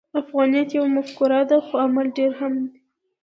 افغانیت یوه مفکوره ده، خو عمل ډېر مهم دی.